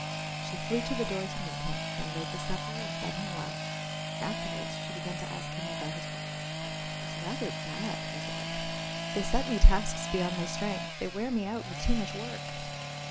She flew to the door to meet him, then laid the supper and fed him well; afterwards she began to ask him about his work. "It's rather bad," he said; "they set me tasks beyond my strength; they wear me out with too much work."